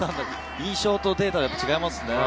印象とデータは違いますね。